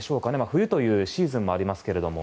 冬というシーズンもありますが。